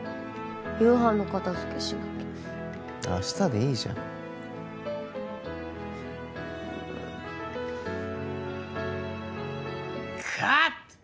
夕飯の片付けしなきゃ明日でいいじゃんうんカット！